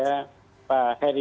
terima kasih pak heri